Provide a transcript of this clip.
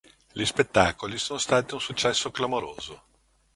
Gli spettacoli sono stati un successo clamoroso.